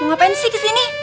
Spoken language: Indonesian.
mau ngapain sih ke sini